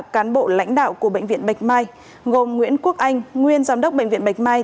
cán bộ lãnh đạo của bệnh viện bạch mai gồm nguyễn quốc anh nguyên giám đốc bệnh viện bạch mai